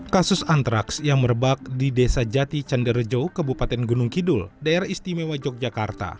kasus antraks yang merebak di desa jati candirejo kebupaten gunung kidul daerah istimewa yogyakarta